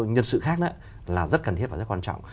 nhân sự khác là rất cần thiết và rất quan trọng